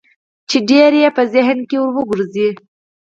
چې ډېر يې په ذهن کې ورګرځي.